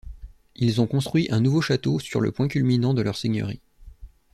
Ils ont construit un nouveau château sur le point culminant de leurs seigneurie.